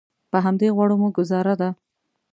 په همدې غوړو مو ګوزاره ده.